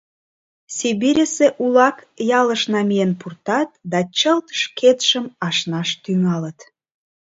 Сибирьысе улак ялыш намиен пуртат да чылт шкетшым ашнаш тӱҥалыт.